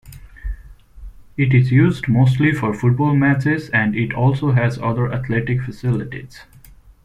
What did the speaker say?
It is used mostly for football matches and it also has other athletic facilities.